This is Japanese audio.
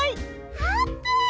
あーぷん！